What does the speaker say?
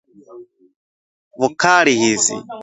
Vokali hizi